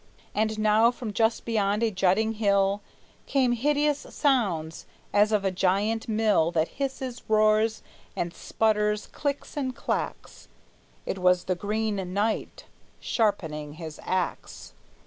And now, from just beyond a jutting hill, Came hideous sounds, as of a giant mill That hisses, roars, and sputters, clicks and clacks; It was the Green Knight sharpening his axe!